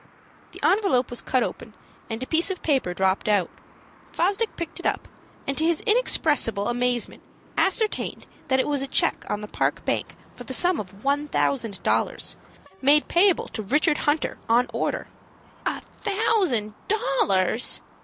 The envelope was cut open, and a piece of paper dropped out. Fosdick picked it up, and to his inexpressible amazement ascertained that it was a check on the Park Bank for the sum of one thousand dollars made payable to Richard Hunter, or order. "A thousand dollars!"